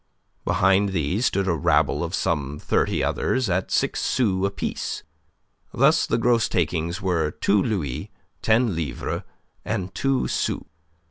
Behind these stood a rabble of some thirty others at six sous apiece. Thus the gross takings were two louis, ten livres, and two sous.